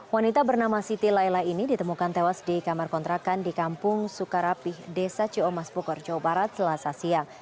wanita bernama siti laila ini ditemukan tewas di kamar kontrakan di kampung sukarapih desa cio mas bogor jawa barat selasa siang